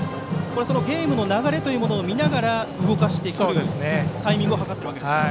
ゲームの流れを見ながら動かしてくるタイミングを図っているわけですね。